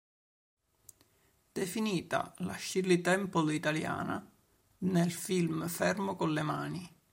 Definita "la Shirley Temple italiana", nel film "Fermo con le mani!